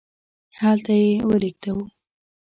هلته یې ولیږدوو.